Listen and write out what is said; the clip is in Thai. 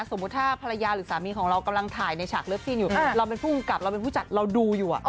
สมมุติถ้าภรรยาหรือสามีของเรากำลังถ่ายในฉากเลิฟซีนอยู่